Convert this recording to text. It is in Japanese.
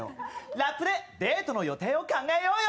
ラップでデートの予定考えようよ。